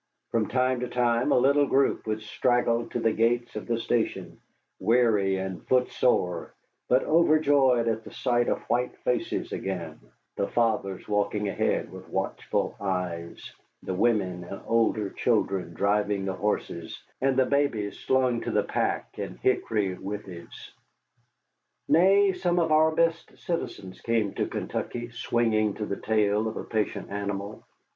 From time to time a little group would straggle to the gates of the station, weary and footsore, but overjoyed at the sight of white faces again: the fathers walking ahead with watchful eyes, the women and older children driving the horses, and the babies slung to the pack in hickory withes. Nay, some of our best citizens came to Kentucky swinging to the tail of a patient animal.